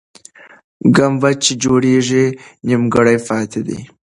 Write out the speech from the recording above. ګمبد چې جوړېږي، نیمګړی پاتې دی.